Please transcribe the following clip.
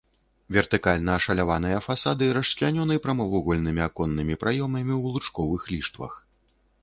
Вертыкальна ашаляваныя фасады расчлянёны прамавугольнымі аконнымі праёмамі ў лучковых ліштвах.